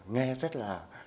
nghe rất là